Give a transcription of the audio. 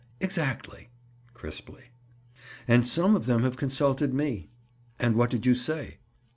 "Exactly." Crisply. "And some of them have consulted me." "And what did you say?"